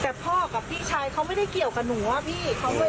แต่พ่อกับพี่ชายเขาไม่ได้เกี่ยวกับหนูอะพี่